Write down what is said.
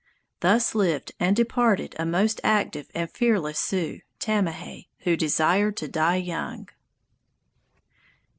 Thus lived and departed a most active and fearless Sioux, Tamahay, who desired to die young!